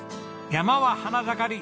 山は花盛り！